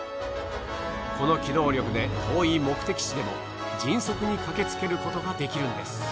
この機動力で遠い目的地でも迅速に駆けつけることができるんです。